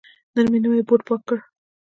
نن مې نوی بوټ پاک کړ.